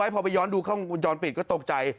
พอไปย้อนดูข้องย้อนปิดก็ตกใจ